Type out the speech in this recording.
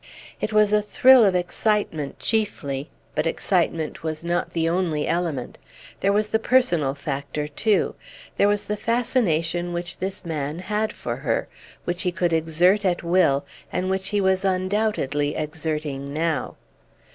It was a thrill of excitement chiefly, but excitement was not the only element. There was the personal factor, too; there was the fascination which this man had for her, which he could exert at will, and which he was undoubtedly exerting now.